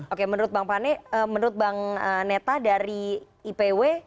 oke menurut bang neta dari ipw